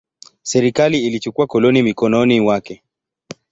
Serikali ilichukua koloni mikononi mwake.